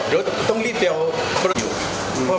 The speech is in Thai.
เดี๋ยวต้องรีบไปเอา